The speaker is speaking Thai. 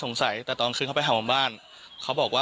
ฟังเสียงลูกจ้างรัฐตรเนธค่ะ